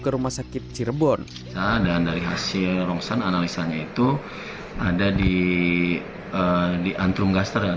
ke rumah sakit cirebon dan dari hasil rongsan analisanya itu ada di di antrum gaster dan